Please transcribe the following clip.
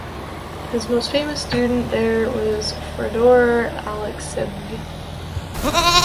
His most famous student there was Fyodor Alekseyev.